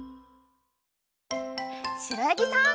しろやぎさん。